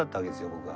僕は。